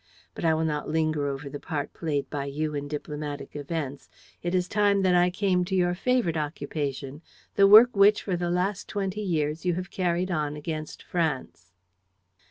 But I will not linger over the part played by you in diplomatic events. It is time that I came to your favorite occupation, the work which for the last twenty years you have carried on against France."